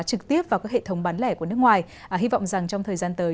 của nước ngoài hy vọng rằng trong thời gian tới